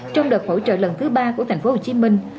trong đợt hỗ trợ lần thứ ba của thành phố hồ chí minh